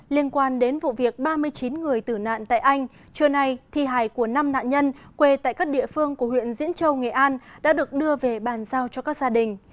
liên quan đến vụ việc ba mươi chín người tử nạn tại anh trưa nay thi hài của năm nạn nhân quê tại các địa phương của huyện diễn châu nghệ an đã được đưa về bàn giao cho các gia đình